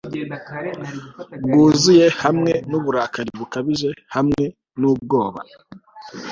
bwuzuye hamwe nuburakari bukabije hamwe nubwoba